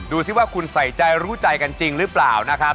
ดูสิว่าคุณใส่ใจรู้ใจกันจริงหรือเปล่านะครับ